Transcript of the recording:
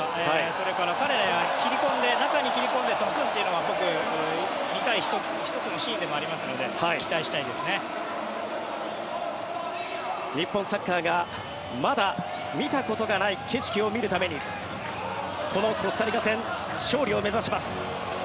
そして、彼は中に切り込んでドスンというのが僕、見たいシーンの１つでもありますので日本サッカーがまだ見たことがない景色を見るためにこのコスタリカ戦勝利を目指します。